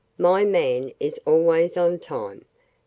My man is always on time.